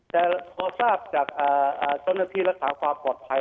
แต่พอทราบจากเจ้าหน้าที่รักษาความปลอดภัย